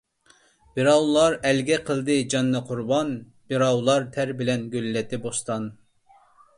بىراۋلار ئەلگە قىلدى جاننى قۇربان، بىراۋلار تەر بىلەن گۈللەتتى بوستان.